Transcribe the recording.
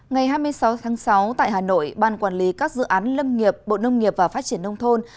ngày hai mươi sáu tháng sáu tại hà nội ban quản lý các dự án lâm nghiệp bộ nông nghiệp và phát triển nông thôn